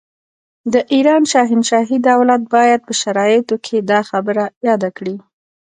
د ایران شاهنشاهي دولت باید په شرایطو کې دا خبره یاده کړي.